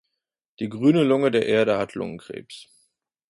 Die grüne Lunge der Erde hat Lungenkrebs.